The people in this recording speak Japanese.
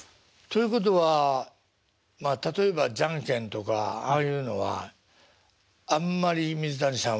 ということはまあ例えばじゃんけんとかああいうのはあんまり水谷さんは負けたことはないんですか？